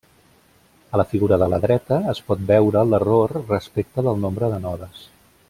A la figura de la dreta es pot veure l'error respecte del nombre de nodes.